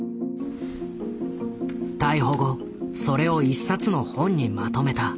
逮捕後それを一冊の本にまとめた。